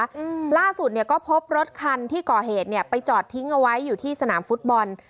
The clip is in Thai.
อืมล่าสุดเนี้ยก็พบรถคันที่ก่อเหตุเนี้ยไปจอดทิ้งเอาไว้อยู่ที่สนามฟุตบอล